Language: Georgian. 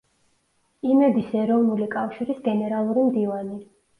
იმედის ეროვნული კავშირის გენერალური მდივანი.